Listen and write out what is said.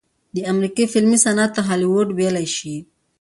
د امريکې فلمي صنعت ته هالي وډ وئيلے شي